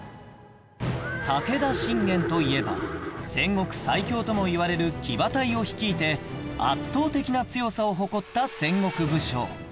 武田信玄といえば戦国最強ともいわれる騎馬隊を率いて圧倒的な強さを誇った戦国武将